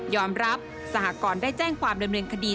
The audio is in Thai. ยอมรับสหกรณ์ได้แจ้งความเริ่มเรียนคดี